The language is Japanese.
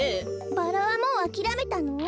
バラはもうあきらめたの？